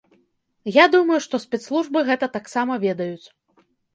Я думаю, што спецслужбы гэта таксама ведаюць.